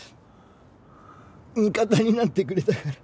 味方になってくれたから。